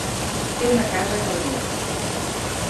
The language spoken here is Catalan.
Té una casa a Calvià.